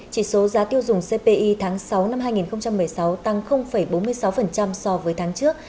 chỉ số giá tiêu dùng cpi tháng sáu năm hai nghìn một mươi sáu tăng bốn mươi sáu so với tháng trước